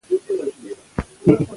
هغه پېښور عالي ښوونځی ته ولاړ.